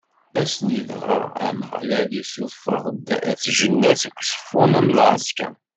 Ass-nni dɣa, Ameɣlal issufeɣ-d At Jennad seg Uẓeffun, am lɛeskeṛ.